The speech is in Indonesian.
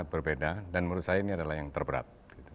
lebih berat dari rp sembilan puluh delapan